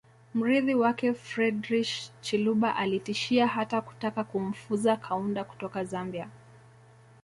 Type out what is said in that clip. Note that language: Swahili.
Mrithi wake Frederich Chiluba alitishia hata kutaka kumfuza Kaunda kutoka Zambia